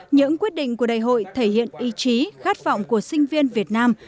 những quyết định của đại hội thể hiện ý chí khát vọng của sinh viên việt nam